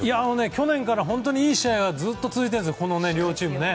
去年から本当にいい試合がずっと続いているんですこの両チームね。